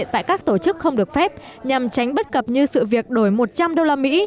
tại các tổ chức không được phép nhằm tránh bất cập như sự việc đổi một trăm linh đô la mỹ